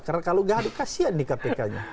karena kalau gaduh kasihan nih kpk nya